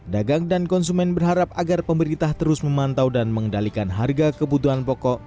dagang dan konsumen berharap agar pemerintah terus memantau dan mengendalikan harga kebutuhan pokok